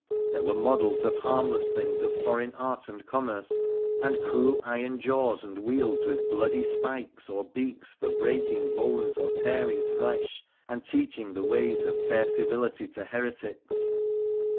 There were models of harmless things of foreigr art and commerce, and cruel iron jaws and wheels with bloodj spikes or beaks for breaking bones or tearing flesh, anc teaching the ways of fair civility to heretics.